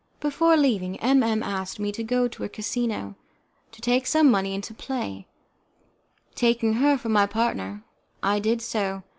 Before leaving, M M asked me to go to her casino, to take some money and to play, taking her for my partner. I did so.